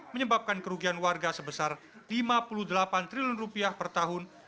menyebabkan kerugian warga sebesar lima puluh delapan triliun rupiah per tahun